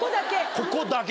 ここだけ。